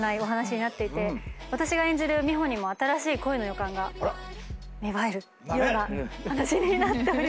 私が演じる美帆にも新しい恋の予感が芽生えるような話になっております。